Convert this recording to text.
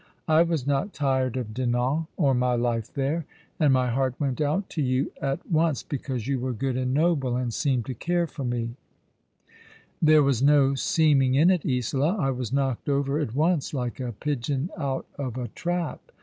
'' I was not tired of Dinan— or my life there — and my heart went out to you at 88 All along the River, once, because you were good and noble, and seemed to care for niG." " There was no seeming in it, Isola. I was knocked OYcr at once, like a pigeon out of a trap.